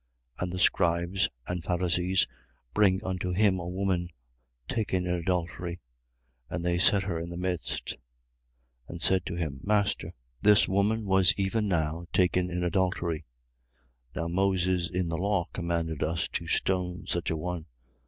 8:3. And the scribes and Pharisees bring unto him a woman taken in adultery: and they set her in the midst, 8:4. And said to him: Master, this woman was even now taken in adultery. 8:5. Now Moses in the law commanded us to stone such a one.